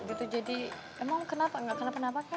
emang kenapa nggak kenapa kenapa kan